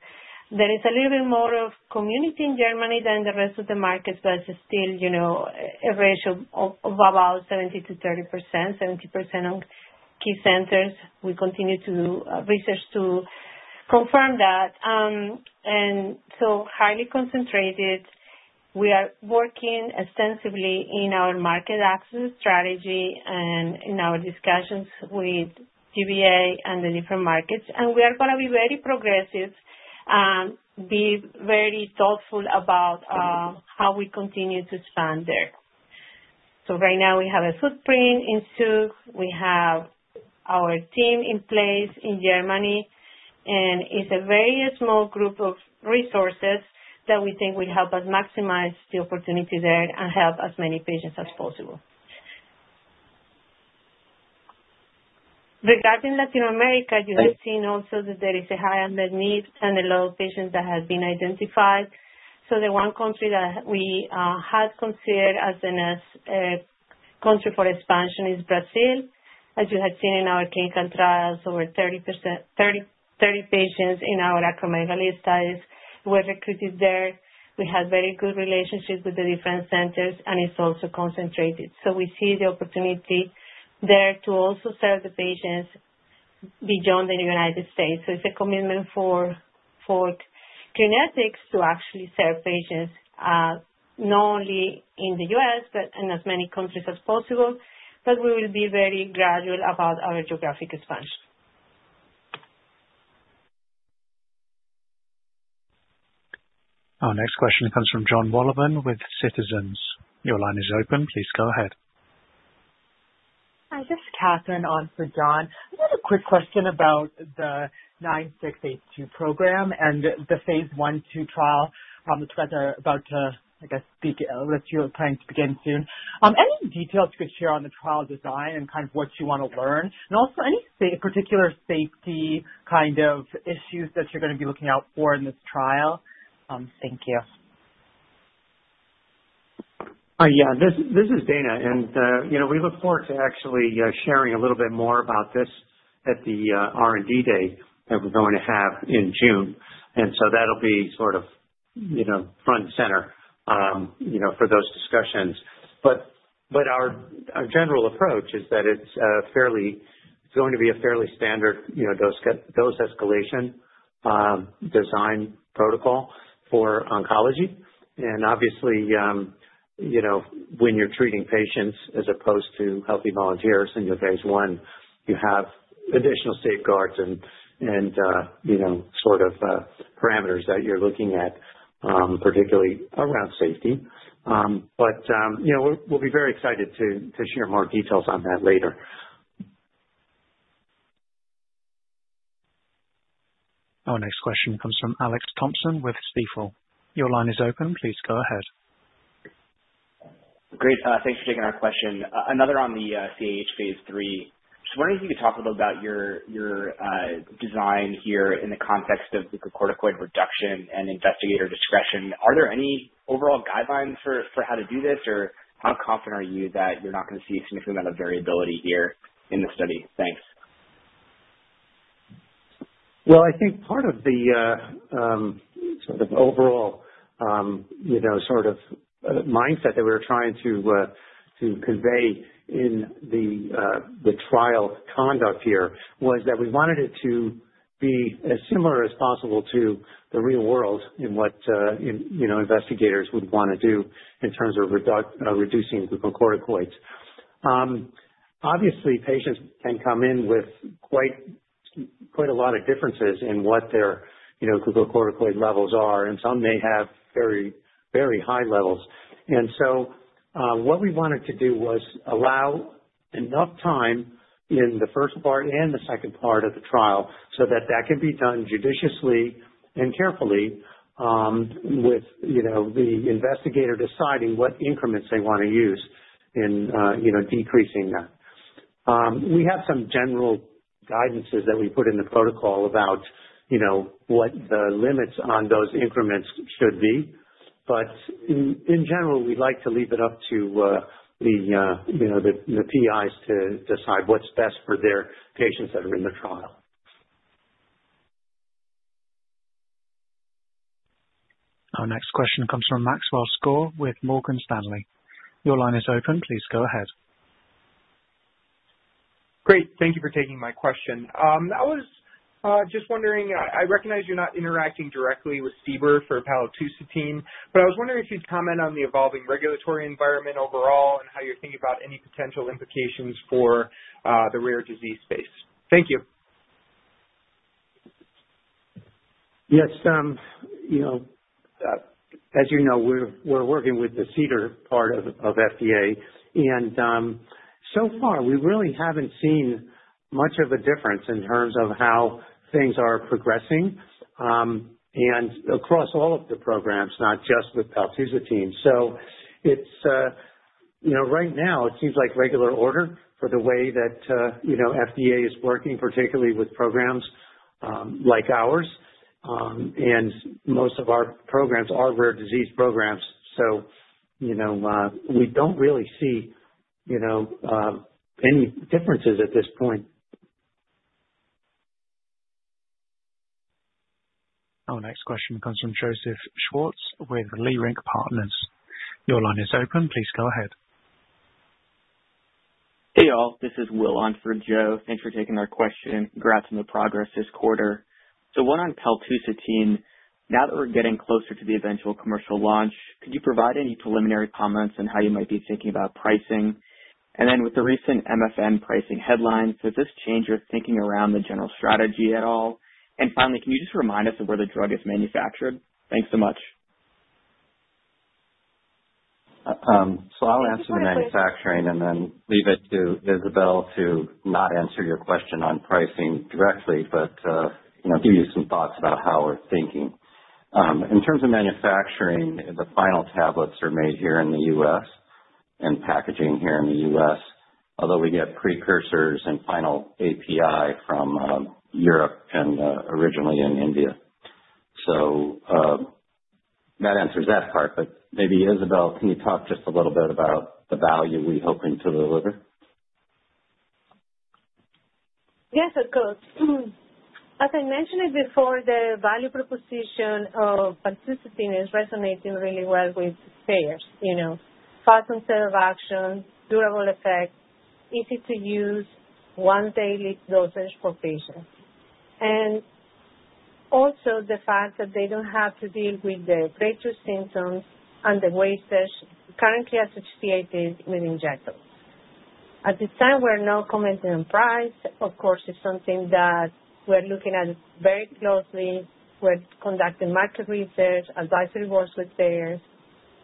There is a little bit more of community in Germany than the rest of the markets, but it is still a ratio of about 70% to 30%, 70% on key centers. We continue to do research to confirm that. Highly concentrated. We are working extensively in our market access strategy and in our discussions with GBA and the different markets. We are going to be very progressive, be very thoughtful about how we continue to expand there. Right now, we have a footprint in Zug. We have our team in place in Germany. It's a very small group of resources that we think will help us maximize the opportunity there and help as many patients as possible. Regarding Latin America, you have seen also that there is a high unmet need and a lot of patients that have been identified. The one country that we had considered as the next country for expansion is Brazil. As you have seen in our clinical trials, over 30 patients in our acromegaly studies were recruited there. We have very good relationships with the different centers, and it's also concentrated. We see the opportunity there to also serve the patients beyond the United States. It's a commitment for Crinetics to actually serve patients not only in the U.S., but in as many countries as possible. We will be very gradual about our geographic expansion. Our next question comes from John Wolleben with Citizens. Your line is open. Please go ahead. Hi. This is Katherine on for John. I had a quick question about the CRN09682 program and the phase II trial that you guys are about to, I guess, you're planning to begin soon. Any details you could share on the trial design and kind of what you want to learn? Also, any particular safety kind of issues that you're going to be looking out for in this trial? Thank you. Yeah. This is Dana. We look forward to actually sharing a little bit more about this at the R&D day that we're going to have in June. That'll be sort of front and center for those discussions. Our general approach is that it's going to be a fairly standard dose escalation design protocol for oncology. Obviously, when you're treating patients as opposed to healthy volunteers in your phase I, you have additional safeguards and sort of parameters that you're looking at, particularly around safety. We'll be very excited to share more details on that later. Our next question comes from Alex Thompson with Stifel. Your line is open. Please go ahead. Great. Thanks for taking our question. Another on the CAH phase III. Just wondering if you could talk a little about your design here in the context of glucocorticoid reduction and investigator discretion. Are there any overall guidelines for how to do this, or how confident are you that you're not going to see a significant amount of variability here in the study? Thanks. I think part of the sort of overall sort of mindset that we were trying to convey in the trial conduct here was that we wanted it to be as similar as possible to the real world in what investigators would want to do in terms of reducing glucocorticoids. Obviously, patients can come in with quite a lot of differences in what their glucocorticoid levels are, and some may have very, very high levels. What we wanted to do was allow enough time in the first part and the second part of the trial so that that can be done judiciously and carefully with the investigator deciding what increments they want to use in decreasing that. We have some general guidances that we put in the protocol about what the limits on those increments should be. In general, we'd like to leave it up to the PIs to decide what's best for their patients that are in the trial. Our next question comes from Maxwell Skor with Morgan Stanley. Your line is open. Please go ahead. Great. Thank you for taking my question. I was just wondering, I recognize you're not interacting directly with CDER for paltusotine, but I was wondering if you'd comment on the evolving regulatory environment overall and how you're thinking about any potential implications for the rare disease space. Thank you. Yes. As you know, we're working with the CDER part of FDA. And so far, we really haven't seen much of a difference in terms of how things are progressing and across all of the programs, not just with paltusotine. Right now, it seems like regular order for the way that FDA is working, particularly with programs like ours. Most of our programs are rare disease programs. We don't really see any differences at this point. Our next question comes from Joseph Schwartz with Leerink Partners. Your line is open. Please go ahead. Hey, all. This is Will on for Joe. Thanks for taking our question. Congrats on the progress this quarter. One on paltusotine, now that we're getting closer to the eventual commercial launch, could you provide any preliminary comments on how you might be thinking about pricing? With the recent MFN pricing headlines, does this change your thinking around the general strategy at all? Finally, can you just remind us of where the drug is manufactured? Thanks so much. I'll answer the manufacturing and then leave it to Isabel to not answer your question on pricing directly, but give you some thoughts about how we're thinking. In terms of manufacturing, the final tablets are made here in the U.S. and packaging here in the U.S., although we get precursors and final API from Europe and originally in India. That answers that part. Maybe, Isabel, can you talk just a little bit about the value we're hoping to deliver? Yes, of course. As I mentioned before, the value proposition of paltusotine is resonating really well with payers: fast and clear of action, durable effect, easy to use, one daily dosage for patients. Also the fact that they do not have to deal with the breakthrough symptoms and the wastage currently associated with injectables. At this time, we are not commenting on price. Of course, it is something that we are looking at very closely. We are conducting market research, advisory works with payers.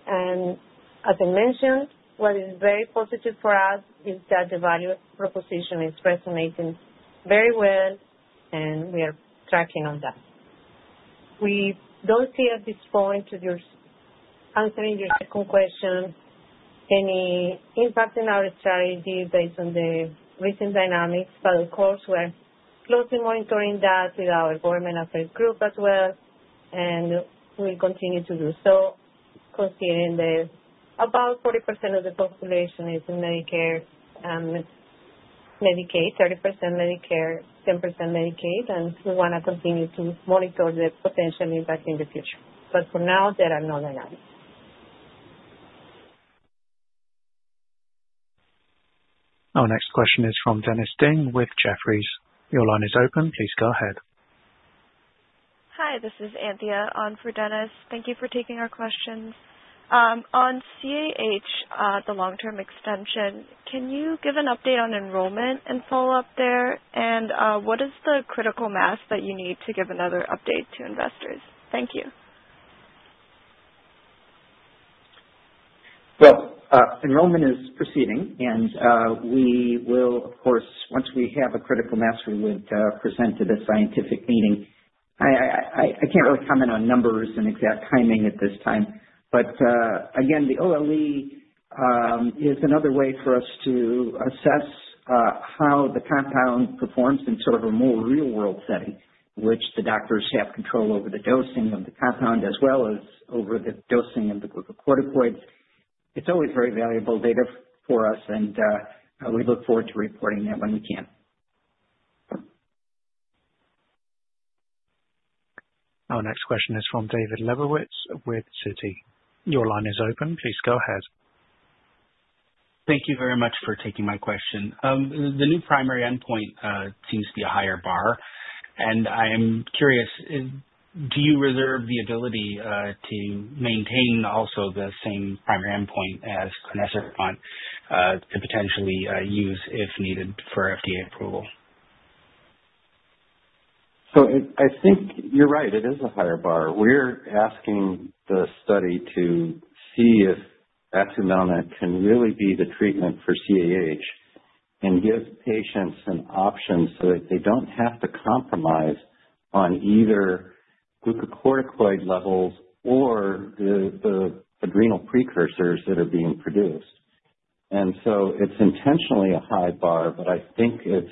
As I mentioned, what is very positive for us is that the value proposition is resonating very well, and we are tracking on that. We do not see at this point, answering your second question, any impact in our strategy based on the recent dynamics. Of course, we're closely monitoring that with our government affiliate group as well, and we'll continue to do so considering that about 40% of the population is in Medicare and Medicaid, 30% Medicare, 10% Medicaid. We want to continue to monitor the potential impact in the future. For now, there are no dynamics. Our next question is from Dennis Ding with Jefferies. Your line is open. Please go ahead. Hi. This is Anthea on for Dennis. Thank you for taking our questions. On CAH, the long-term extension, can you give an update on enrollment and follow up there? What is the critical mass that you need to give another update to investors? Thank you. Enrollment is proceeding. We will, of course, once we have a critical mass, present to the scientific meeting. I cannot really comment on numbers and exact timing at this time. Again, the OLE is another way for us to assess how the compound performs in sort of a more real-world setting, which the doctors have control over the dosing of the compound as well as over the dosing of the glucocorticoids. It is always very valuable data for us, and we look forward to reporting that when we can. Our next question is from David Lebowitz with Citi. Your line is open. Please go ahead. Thank you very much for taking my question. The new primary endpoint seems to be a higher bar. I am curious, do you reserve the ability to maintain also the same primary endpoint as crinecerfont to potentially use if needed for FDA approval? I think you're right. It is a higher bar. We're asking the study to see if crinecerfont can really be the treatment for CAH and give patients an option so that they don't have to compromise on either glucocorticoid levels or the adrenal precursors that are being produced. It is intentionally a high bar, but I think it's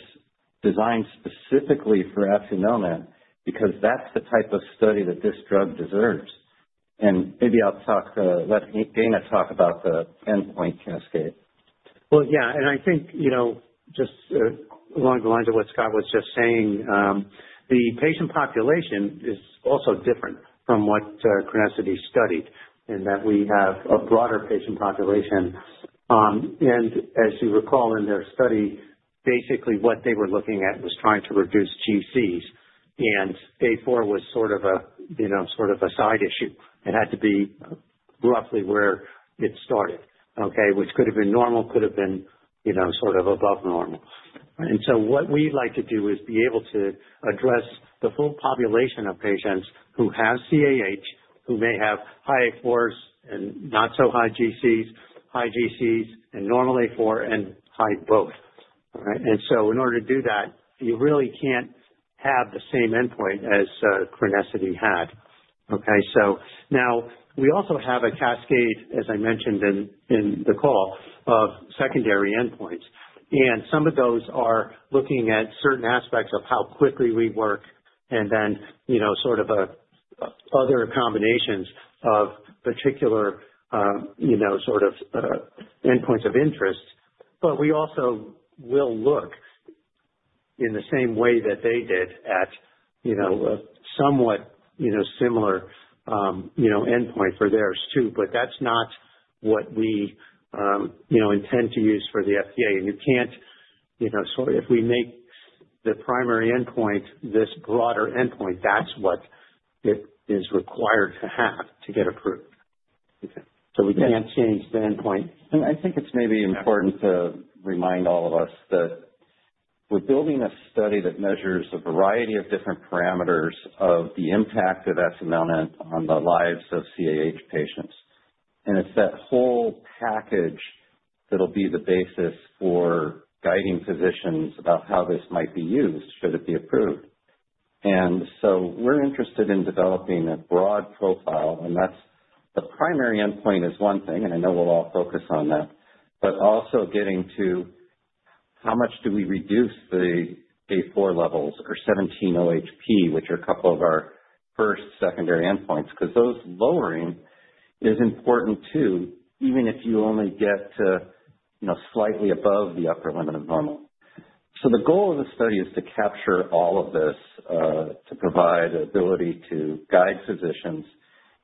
designed specifically for crinecerfont because that's the type of study that this drug deserves. Maybe I'll let Dana talk about the endpoint cascade. Yeah. I think just along the lines of what Scott was just saying, the patient population is also different from what CRENESSITY studied in that we have a broader patient population. As you recall in their study, basically what they were looking at was trying to reduce GCs. Phase IV was sort of a side issue. It had to be roughly where it started, okay, which could have been normal, could have been sort of above normal. What we'd like to do is be able to address the full population of patients who have CAH, who may have high A4s and not so high GCs, high GCs and normal A4, and high both. All right? In order to do that, you really can't have the same endpoint as CRENESSITY had, okay? Now we also have a cascade, as I mentioned in the call, of secondary endpoints. Some of those are looking at certain aspects of how quickly we work and then sort of other combinations of particular sort of endpoints of interest. We also will look in the same way that they did at a somewhat similar endpoint for theirs too. That is not what we intend to use for the FDA. You cannot sort of, if we make the primary endpoint this broader endpoint, that is what it is required to have to get approved. We cannot change the endpoint. I think it's maybe important to remind all of us that we're building a study that measures a variety of different parameters of the impact of atumelnant on the lives of CAH patients. It's that whole package that'll be the basis for guiding physicians about how this might be used should it be approved. We're interested in developing a broad profile. The primary endpoint is one thing, and I know we'll all focus on that, but also getting to how much do we reduce the A4 levels or 17-OHP, which are a couple of our first secondary endpoints, because those lowering is important too, even if you only get slightly above the upper limit of normal. The goal of the study is to capture all of this to provide the ability to guide physicians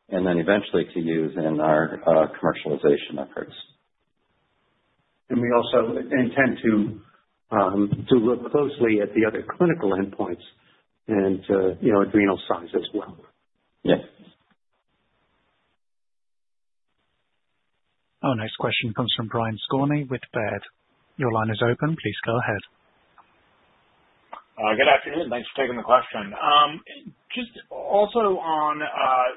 and then eventually to use in our commercialization efforts. We also intend to look closely at the other clinical endpoints and adrenal size as well. Yes. Our next question comes from Brian Skorney with Baird. Your line is open. Please go ahead. Good afternoon. Thanks for taking the question. Just also on the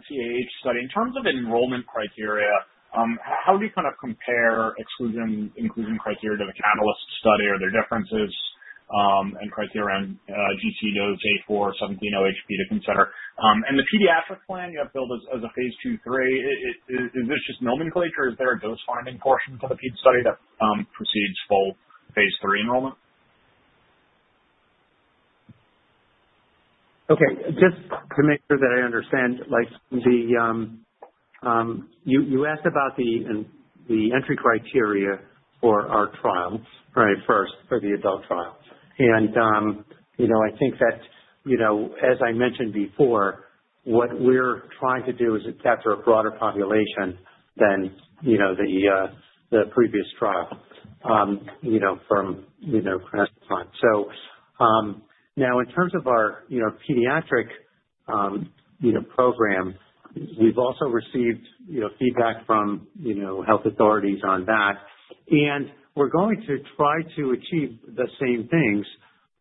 CAH study, in terms of enrollment criteria, how do you kind of compare exclusion/inclusion criteria to the catalyst study or their differences in criteria on GC dose, A4, 17-OHP to consider? The pediatric plan you have built as a phase II, III, is this just nomenclature, or is there a dose-finding portion for the study that precedes full phase III enrollment? Okay. Just to make sure that I understand, you asked about the entry criteria for our trial, right, first for the adult trial. I think that, as I mentioned before, what we're trying to do is capture a broader population than the previous trial from Crinetics' side. Now in terms of our pediatric program, we've also received feedback from health authorities on that. We're going to try to achieve the same things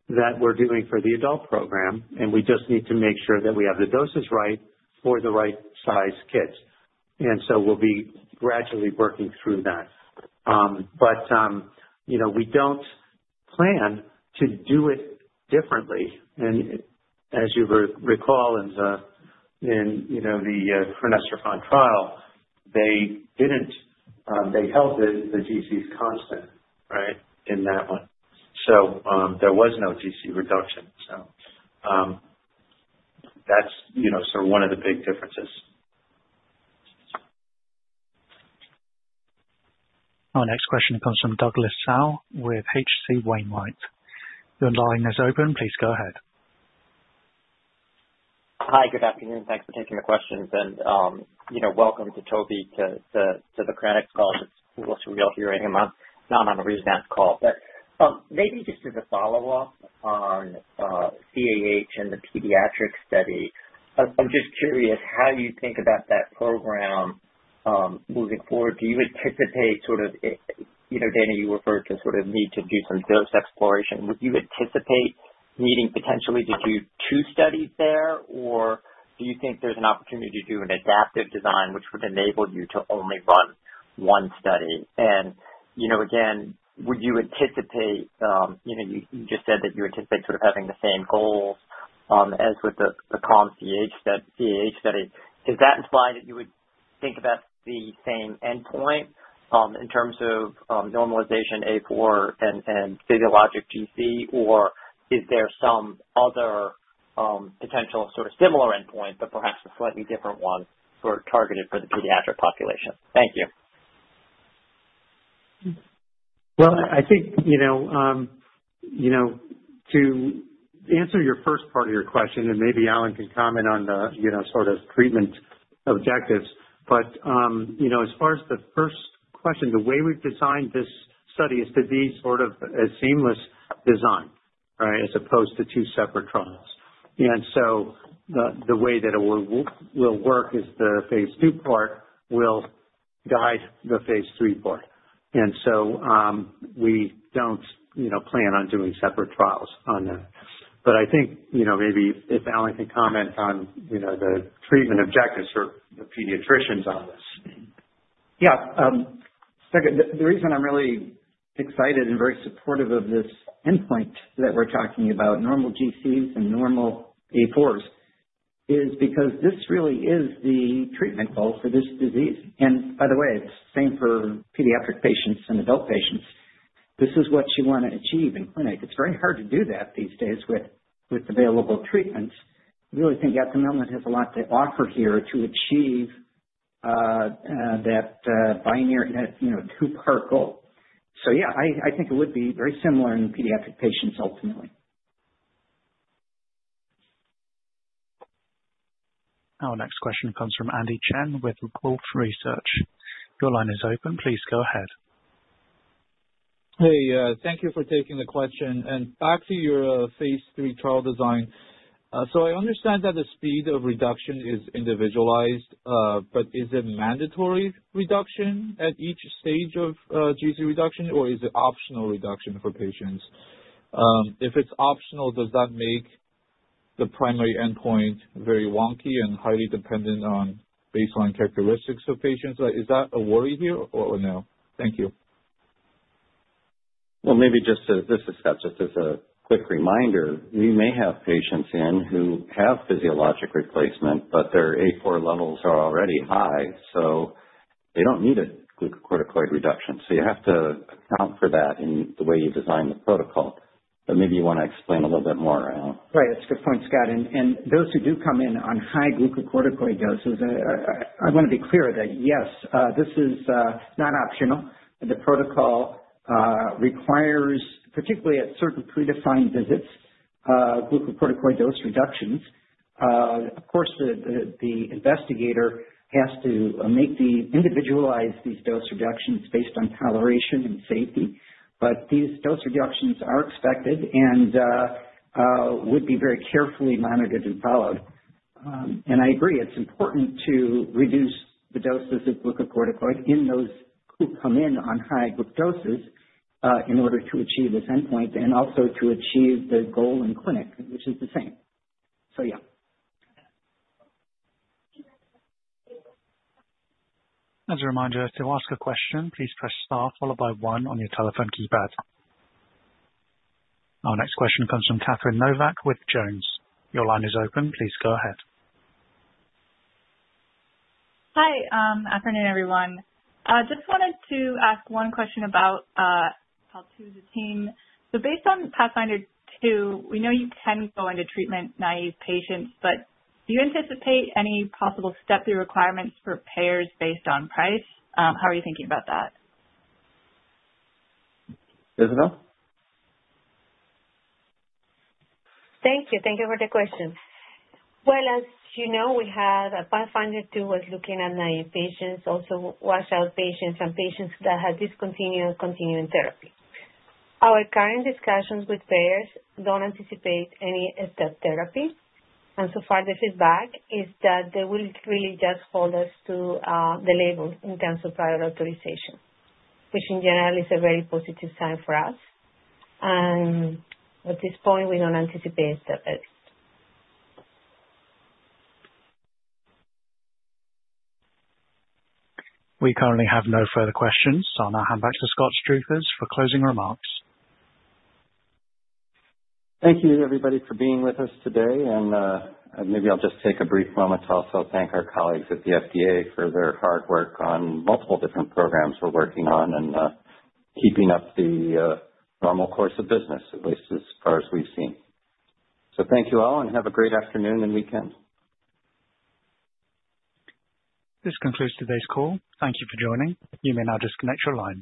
that we're doing for the adult program, and we just need to make sure that we have the doses right for the right size kids. We'll be gradually working through that. We don't plan to do it differently. As you recall, in the Crinecerfont trial, they held the GCs constant, right, in that one. There was no GC reduction. That's sort of one of the big differences. Our next question comes from Douglas Tsao with H.C. Wainwright. Your line is open. Please go ahead. Hi. Good afternoon. Thanks for taking the questions. And welcome to Toby to the Crinetics call. It's cool to be all hearing him. Now I'm on a rebound call. Maybe just as a follow-up on CAH and the pediatric study, I'm just curious how you think about that program moving forward. Do you anticipate, Dana, you referred to sort of need to do some dose exploration. Would you anticipate needing potentially to do two studies there, or do you think there's an opportunity to do an adaptive design which would enable you to only run one study? Again, would you anticipate, you just said that you anticipate sort of having the same goals as with the CAH study. Does that imply that you would think about the same endpoint in terms of normalization A4 and physiologic GC, or is there some other potential sort of similar endpoint, but perhaps a slightly different one targeted for the pediatric population? Thank you. I think to answer your first part of your question, and maybe Alan can comment on the sort of treatment objectives. As far as the first question, the way we've designed this study is to be sort of a seamless design, right, as opposed to two separate trials. The way that it will work is the phase II part will guide the phase III part. We don't plan on doing separate trials on that. I think maybe if Alan can comment on the treatment objectives for the pediatricians on this. Yeah. The reason I'm really excited and very supportive of this endpoint that we're talking about, normal GCs and normal A4s, is because this really is the treatment goal for this disease. By the way, it's the same for pediatric patients and adult patients. This is what you want to achieve in clinic. It's very hard to do that these days with available treatments. I really think paltusotine has a lot to offer here to achieve that two-part goal. Yeah, I think it would be very similar in pediatric patients ultimately. Our next question comes from Andy Chen with Wolfe Research. Your line is open. Please go ahead. Hey, thank you for taking the question. Back to your phase III trial design. I understand that the speed of reduction is individualized, but is it mandatory reduction at each stage of GC reduction, or is it optional reduction for patients? If it's optional, does that make the primary endpoint very wonky and highly dependent on baseline characteristics of patients? Is that a worry here or no? Thank you. Maybe just as a quick reminder, we may have patients in who have physiologic replacement, but their A4 levels are already high, so they do not need a glucocorticoid reduction. You have to account for that in the way you design the protocol. Maybe you want to explain a little bit more, Al. Right. That's a good point, Scott. And those who do come in on high glucocorticoid doses, I want to be clear that yes, this is not optional. The protocol requires, particularly at certain predefined visits, glucocorticoid dose reductions. Of course, the investigator has to individualize these dose reductions based on toleration and safety. But these dose reductions are expected and would be very carefully monitored and followed. I agree, it's important to reduce the doses of glucocorticoid in those who come in on high doses in order to achieve this endpoint and also to achieve the goal in clinic, which is the same. So yeah. As a reminder, if you've asked a question, please press star followed by one on your telephone keypad. Our next question comes from Catherine Clare Novack with Jones. Your line is open. Please go ahead. Hi. Afternoon, everyone. I just wanted to ask one question about how to the team. So based on PATHFNDR-2, we know you can go into treatment naive patients, but do you anticipate any possible step-through requirements for payers based on price? How are you thinking about that? Isabelle? Thank you. Thank you for the question. As you know, PATHFNDR-2 was looking at naive patients, also washed-out patients, and patients that had discontinued or continued therapy. Our current discussions with payers do not anticipate any step therapy. So far, the feedback is that they will really just hold us to the label in terms of prior authorization, which in general is a very positive sign for us. At this point, we do not anticipate step therapy. We currently have no further questions, so I'll now hand back to Scott Struthers for closing remarks. Thank you, everybody, for being with us today. I will just take a brief moment to also thank our colleagues at the FDA for their hard work on multiple different programs we are working on and keeping up the normal course of business, at least as far as we have seen. Thank you all, and have a great afternoon and weekend. This concludes today's call. Thank you for joining. You may now disconnect your lines.